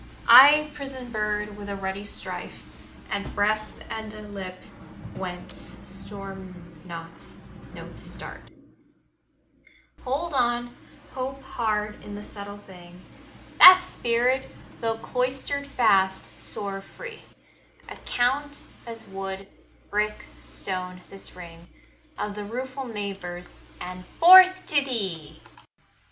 I prison bird, with a ruddy strife At breast, and a lip whence storm notes start 20 Hold on, hope hard in the subtle thing That's spirit: tho' cloistered fast, soar free; Account as wood, brick, stone, this ring Of the rueful neighbours, and forth to thee!